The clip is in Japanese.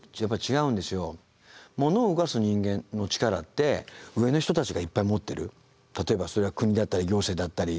ものを動かす人間の力って上の人たちがいっぱい持ってる例えばそれは国だったり行政だったり。